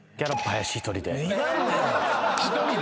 １人で。